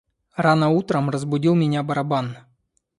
Рано утром разбудил меня барабан.